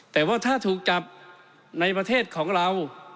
แต่ว่าถ้าถูกจับในประเทศของเรา